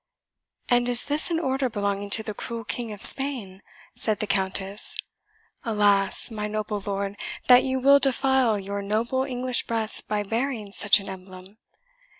"And is this an Order belonging to the cruel King of Spain?" said the Countess. "Alas! my noble lord, that you will defile your noble English breast by bearing such an emblem!